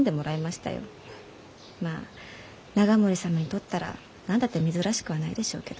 まあ永守様にとったら何だって珍しくはないでしょうけど。